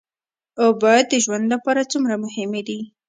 اوبه د ژوند لپاره څومره مهمې دي